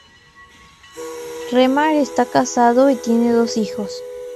Remar está casado y tiene dos hijos.